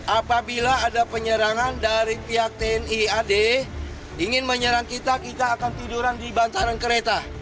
apabila ada penyerangan dari pihak tni ad ingin menyerang kita kita akan tiduran di bantaran kereta